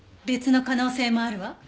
別の可能性もあるわ。